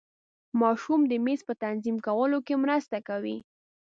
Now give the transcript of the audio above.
ماشوم د میز په تنظیم کولو کې مرسته کوي.